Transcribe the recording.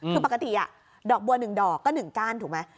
คือปกติดอกบัวหนึ่งดอกก็หนึ่งก้านถูกไหม